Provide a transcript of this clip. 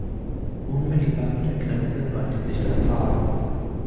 Unmittelbar bei der Grenze weitet sich das Tal.